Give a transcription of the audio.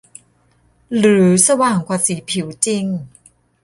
หรือสว่างกว่าสีผิวจริง